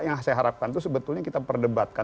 yang saya harapkan itu sebetulnya kita perdebatkan